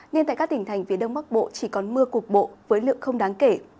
nên tại các tỉnh thành phía đông bắc bộ chỉ còn mưa cục bộ với lượng không đáng kể